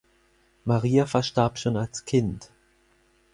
Maria verstarb schon als Kind.